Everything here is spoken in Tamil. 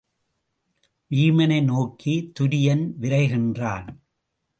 வீமனை நோக்கித் துரியன் விரைகின்றான்.